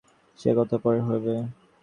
সে কথা পরে হইবে।